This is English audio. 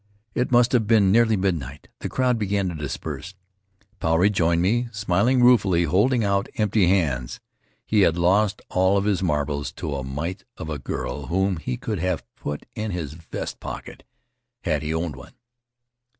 It must have been nearly midnight. The crowd began to disperse. Puarei joined me, smiling ruefully, holding out empty hands. He had lost all of his marbles to a mite of a girl whom he could have put in his vest pocket had he owned one.